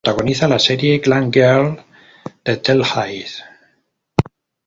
Además protagoniza la serie "Glam Girls" de Telehit.